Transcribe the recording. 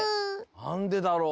なんでだろう？